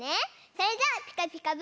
それじゃあ「ピカピカブ！」